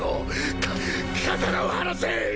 か刀を離せ！